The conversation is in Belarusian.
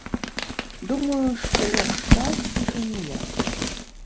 Думаю, што лепш так, чым ніяк.